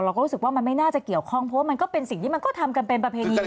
รู้สึกว่ามันไม่น่าจะเกี่ยวข้องเพราะว่ามันก็เป็นสิ่งที่มันก็ทำกันเป็นประเพณี